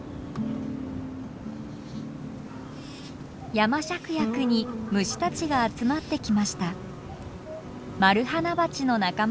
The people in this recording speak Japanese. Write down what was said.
ヤマシャクヤクに虫たちが集まってきました。